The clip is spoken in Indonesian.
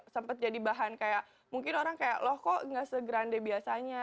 sempet jadi bahan kayak mungkin orang kayak loh kok enggak se grande biasanya